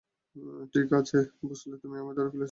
ঠিক আছে, বুঝলে, তুমি আমায় ধরে ফেলেছ।